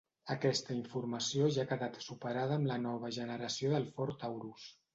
Aquesta informació ja ha quedat superada amb la nova generació del Ford Taurus.